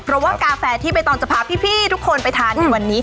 เพราะว่ากาแฟที่ใบตองจะพาพี่ทุกคนไปทานในวันนี้